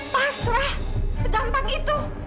pasrah sedampak itu